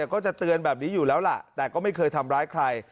ก็จะเตือนแบบนี้อยู่แล้วล่ะแต่ก็ไม่เคยทำร้ายใคร